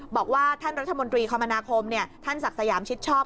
บอกว่าท่านรัฐมนตรีคมนาคมท่านศักดิ์สยามชิดชอบ